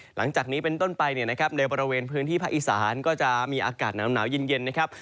หลังจากนี้เป็นต้นไปเนี่ยนะครับในบริเวณพื้นที่ภาคอีสานก็จะมีอากาศหนาวเย็นนะครับ